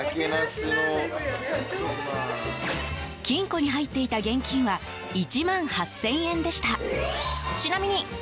金庫に入っていた現金は１万８０００円でした。